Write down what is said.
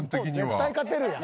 絶対勝てるやん。